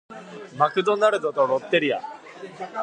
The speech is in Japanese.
マクドナルドとロッテリア